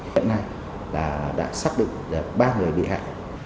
hiện nay đã xác định ba người bị hại